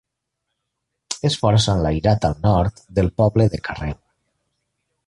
És força enlairat al nord del poble de Carreu.